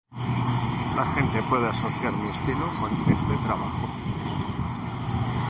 La gente puede asociar mi estilo con este trabajo